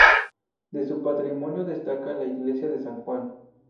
De su patrimonio destaca la iglesia de San Juan.